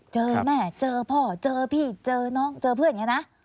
เจอแม่เจอพ่อเจอพี่เจอน้องเจอเพื่อนอย่างนี้นะ